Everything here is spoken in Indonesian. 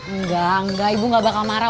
enggak enggak ibu gak bakal marah